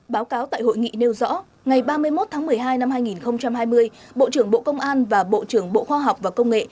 báo cáo tại hội nghị nêu rõ ngày ba mươi một tháng một mươi hai năm hai nghìn hai mươi bộ trưởng bộ công an và bộ trưởng bộ khoa học và công nghệ